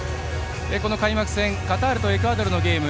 この開幕戦カタールとエクアドルのゲーム